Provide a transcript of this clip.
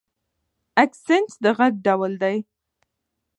اکسنټ د غږ ډول دی.